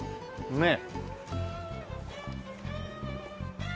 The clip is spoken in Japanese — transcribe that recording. ねえ。